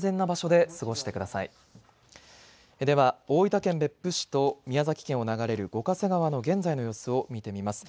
では大分県別府市と宮崎県を流れる五ヶ瀬川の現在の様子を見てみます。